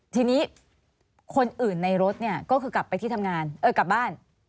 ทีนี้คนอื่นในรถเนี่ยก็คือกลับไปที่ทำงานเออกลับบ้าน